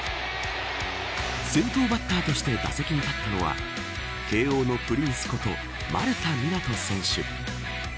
先頭バッターとして打席に立ったのは慶応のプリンスこと丸田湊斗選手。